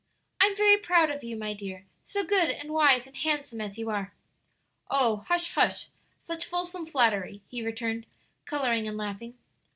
"I'm very proud of you, my dear so good and wise and handsome as you are!" "Oh, hush, hush! such fulsome flattery," he returned, coloring and laughing.